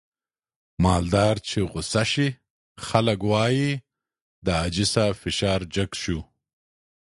مالدار چې غوسه شي خلک واي د حاجي صاحب فشار جګ شو.